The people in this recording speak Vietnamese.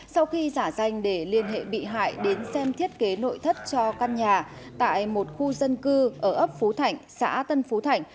sau khi giả danh để liên hệ bị hại đến xem thiết kế nội thất cho căn nhà tại một khu dân cư ở ấp phú thảnh xã tân phú thảnh